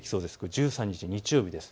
１３日の日曜日です。